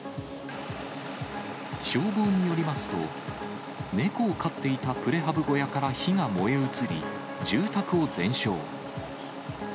消防によりますと、猫を飼っていたプレハブ小屋から火が燃え移り、住宅を全焼。